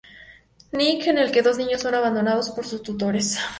Nick", en el que dos niños son abandonados por sus tutores.